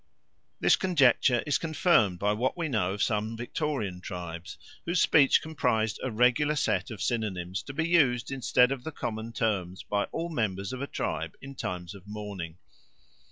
This conjecture is confirmed by what we know of some Victorian tribes whose speech comprised a regular set of synonyms to be used instead of the common terms by all members of a tribe in times of mourning.